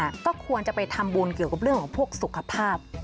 ก็ควรจะไปทำบุญเกี่ยวกับเรื่องของพวกสุขภาพ